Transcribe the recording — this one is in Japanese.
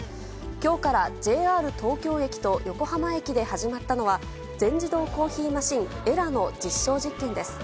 きょうから、ＪＲ東京駅と横浜駅で始まったのは、全自動コーヒーマシン、エラの実証実験です。